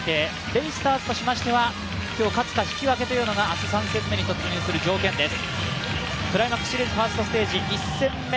ベイスターズとしまして、今日、勝つか引き分けになるのが明日３戦目に突入する条件です。